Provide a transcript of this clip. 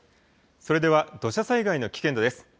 それでは土砂災害の危険度です。